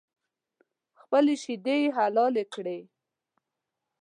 خپلې شیدې یې حلالې کړې.